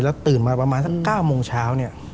ตื่นมาประมาณสัก๙โมงเช้าเนี่ย